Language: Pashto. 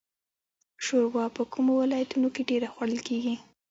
شوروا په کومو ولایتونو کې ډیره خوړل کیږي؟